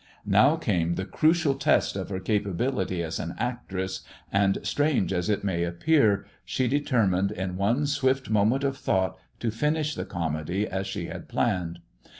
Now came the crucial test of her capability as an actress, and, strange as it may appear, she determined in one swift moment of thought to finish the comedy as she had planned.